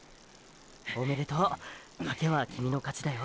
おめでとう賭けはキミの勝ちだよ。